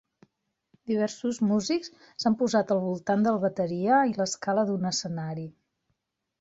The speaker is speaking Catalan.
Diversos músics s"han posat al voltant del bateria i l'escala d'un escenari